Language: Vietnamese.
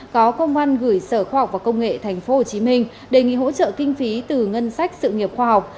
có công an gửi sở khoa học và công nghệ tp hcm đề nghị hỗ trợ kinh phí từ ngân sách sự nghiệp khoa học